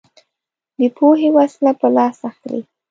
دی پوهې وسله په لاس اخلي